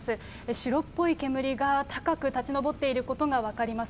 白っぽい煙が高く立ち上っていることが分かります。